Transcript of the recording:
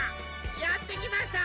やってきました！